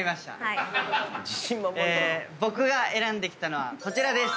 僕が選んできたのはこちらです。